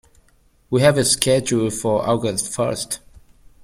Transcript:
We have it scheduled for August first.